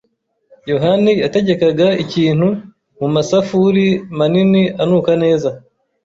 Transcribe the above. yohani yatekaga ikintu mumasafuri manini anuka neza.